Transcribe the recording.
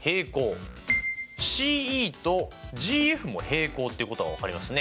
ＣＥとＧＦも平行っていうことが分かりますね。